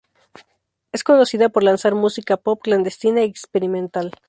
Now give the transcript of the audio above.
Es conocida por lanzar música pop clandestina y experimental.